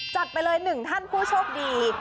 จัดไปเลย๑ท่านผู้โชคดี